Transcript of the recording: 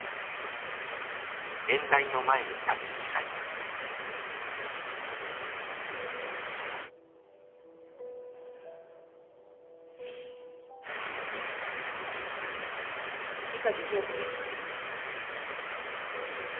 潔清子です。